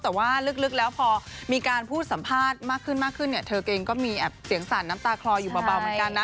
แต่ว่าลึกแล้วพอมีการพูดสัมภาษณ์มากขึ้นมากขึ้นเนี่ยเธอเองก็มีแอบเสียงสั่นน้ำตาคลออยู่เบาเหมือนกันนะ